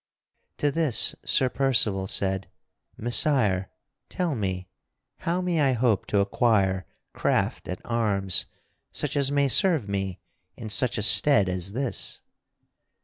To this Sir Percival said: "Messire, tell me, how may I hope to acquire craft at arms such as may serve me in such a stead as this?"